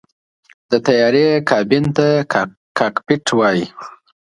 د طیارې کابین ته “کاکپټ” وایي.